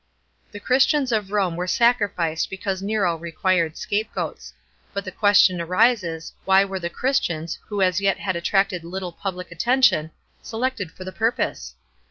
The Christians of Rome were sacrificed because Nero required scapegoats ; but the question arises, why were the Christians, who as yet had attracted little public attention, selected for the purpose?